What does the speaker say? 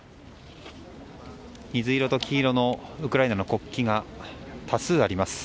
水色と黄色のウクライナの国旗が多数あります。